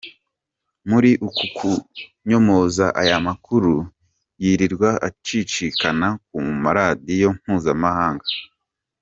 Muri uku kunyomoza aya makuru yirirwa acicikana ku maradiyo mpuzamahanga, Gen.